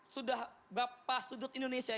sudah berapa sudut indonesia